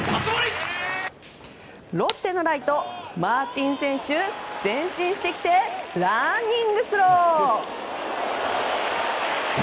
ロッテのライト、マーティン選手前進してきてランニングスロー！